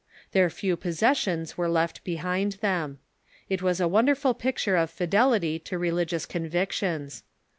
Their few possessions were left behind them. It was a wonderful picture of fidelity to religious convictions.